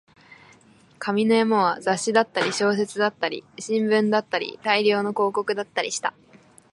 紙の山は雑誌だったり、小説だったり、新聞だったり、大量の広告だったりした